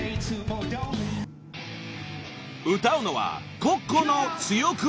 ［歌うのは］